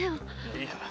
いいから。